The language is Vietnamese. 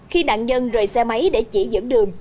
khi nạn nhân rời xe máy để chỉ dẫn đường